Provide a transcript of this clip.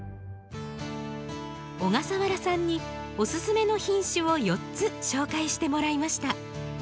小笠原さんにおすすめの品種を４つ紹介してもらいました。